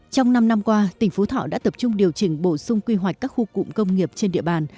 trong năm năm qua tỉnh phú thọ đã tập trung điều chỉnh bổ sung quy hoạch các khu cụm công nghiệp trên địa bàn